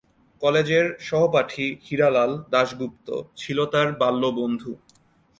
কলেজের সহপাঠী হীরালাল দাসগুপ্ত ছিল তার বাল্য বন্ধু।